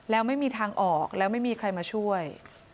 แล้วไม่มีทางออกแล้วไม่มีใครมาช่วย